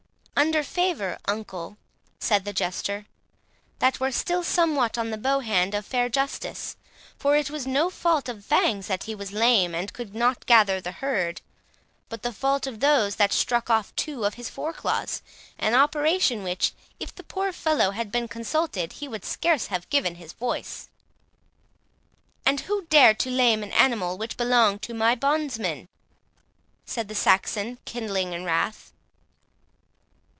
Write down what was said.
"Under favour, uncle," said the Jester, "that were still somewhat on the bow hand of fair justice; for it was no fault of Fangs that he was lame and could not gather the herd, but the fault of those that struck off two of his fore claws, an operation for which, if the poor fellow had been consulted, he would scarce have given his voice." "And who dared to lame an animal which belonged to my bondsman?" said the Saxon, kindling in wrath.